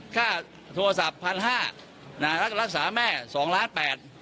ค่าโทรศัพท์พันห้ารักษาแม่สองล้านแปด